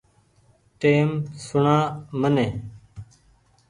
ٽئيم سوڻآ مني ۔